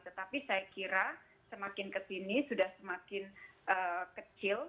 tetapi saya kira semakin ke sini sudah semakin kecil